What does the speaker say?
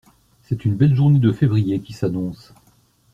C'est une belle journée de février qui s'annonce.